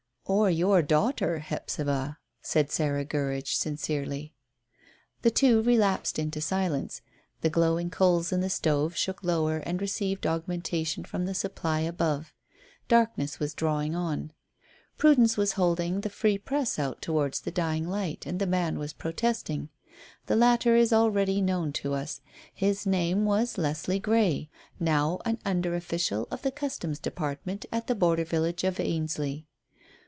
"Or your daughter, Hephzibah," said Sarah Gurridge sincerely. The two relapsed into silence. The glowing coals in the stove shook lower and received augmentation from the supply above. Darkness was drawing on. Prudence was holding the Free Press out towards the dying light and the man was protesting. The latter is already known to us. His name was Leslie Grey, now an under official of the Customs department at the border village of Ainsley.